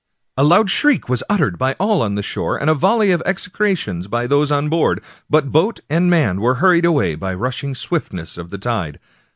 A loud shriek was uttered by all on shore, and a volley of execrations by those on board, but boat and man were hurried away by the rushing swiftness of the tide.